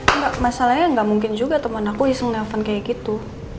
enggak masalahnya gak mungkin juga temen aku iseng ngehafan kayak gitu